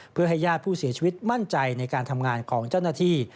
เพื่อให้ญาติผู้เสียชีวิตมั่นใจในการทำงานของเจ้าหน้าที่